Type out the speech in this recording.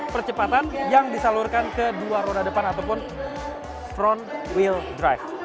percepatan yang disalurkan ke dua roda depan ataupun front wheel drive